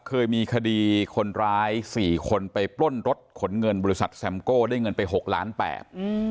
เคยมีคดีคนร้ายสี่คนไปปล้นรถขนเงินบริษัทแซมโก้ได้เงินไปหกล้านแปด